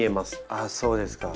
ああそうですか。